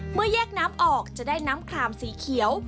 เมื่อแยกน้ำออกจะได้น้ำคลามสีเขียว